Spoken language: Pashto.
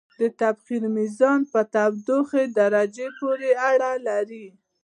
د تبخیر میزان په تودوخې درجې پورې اړه لري.